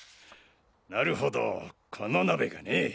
なるほどこの鍋がねぇ。